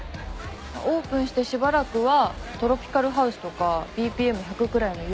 オープンしてしばらくはトロピカルハウスとかＢＰＭ１００くらいのゆっくりした曲流すの。